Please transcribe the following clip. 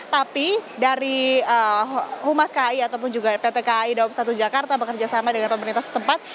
tapi dari humas kai ataupun juga pt kai dawab satu jakarta bekerjasama dengan pemerintah setempat